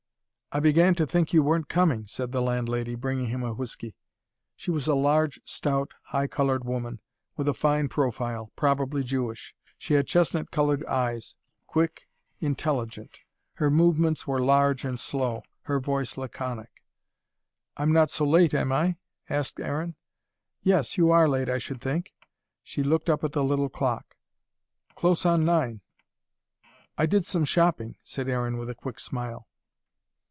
"I began to think you weren't coming," said the landlady, bringing him a whiskey. She was a large, stout, high coloured woman, with a fine profile, probably Jewish. She had chestnut coloured eyes, quick, intelligent. Her movements were large and slow, her voice laconic. "I'm not so late, am I?" asked Aaron. "Yes, you are late, I should think." She Looked up at the little clock. "Close on nine." "I did some shopping," said Aaron, with a quick smile.